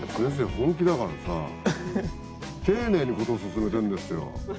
本気だからさぁ丁寧に事を進めてんですよ。